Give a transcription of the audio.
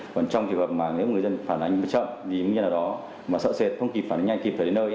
còn trong trường hợp mà nếu người dân phản ánh chậm thì như thế nào đó mà sợ xệt không kịp phản ánh nhanh kịp thời đến nơi